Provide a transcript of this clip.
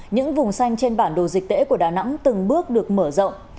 những vùng xanh trên bản đồ dịch tễ của đà nẵng từng bước được mở rộng